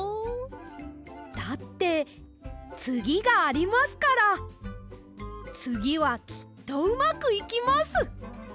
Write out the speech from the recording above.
だってつぎがありますからつぎはきっとうまくいきます！